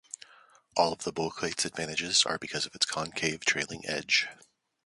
All of the Bow kite's advantages are because of its concave trailing edge.